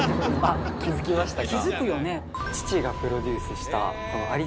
気付きましたか。